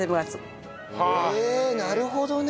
へえなるほどね。